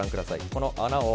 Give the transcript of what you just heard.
この穴を。